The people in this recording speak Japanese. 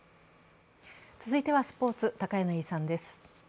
続いてはスポーツ、高柳さんです